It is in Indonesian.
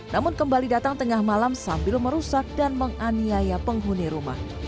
namun kembali datang tengah malam sambil merusak dan menganiaya penghuni rumah